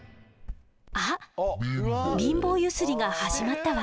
あっ貧乏ゆすりが始まったわ。